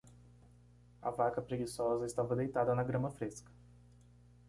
A vaca preguiçosa estava deitada na grama fresca.